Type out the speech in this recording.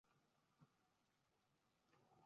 U ham bolaginamni kaltaklatadimi?